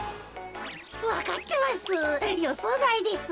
わかってます。